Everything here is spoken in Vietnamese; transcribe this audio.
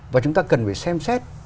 và chúng ta cần phải xem xét